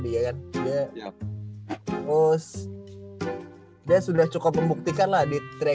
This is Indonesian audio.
bisa ganti posisinya juan cuman lebih worth it lah